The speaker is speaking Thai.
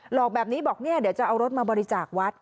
หลอกแบบนี้บอกเนี่ยเดี๋ยวจะเอารถมาบริจาควัด